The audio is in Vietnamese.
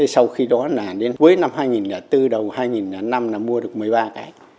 sau khi đó là đến cuối năm hai nghìn bốn đầu hai nghìn năm là mua được một mươi ba cái